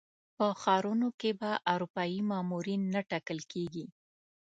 په ښارونو کې به اروپایي مامورین نه ټاکل کېږي.